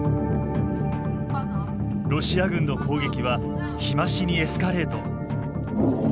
ロシア軍の攻撃は日増しにエスカレート。